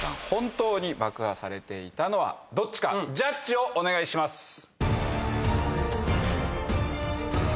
本当に爆破されていたのはどっちかジャッジをお願いします。